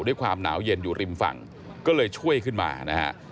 ด้วยความหนาวเย็นอยู่ริมฝั่งก็เลยช่วยขึ้นมานะฮะ